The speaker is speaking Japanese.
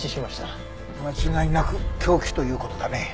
間違いなく凶器という事だね。